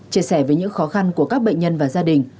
chia sẻ với những khó khăn của các bệnh nhân và gia đình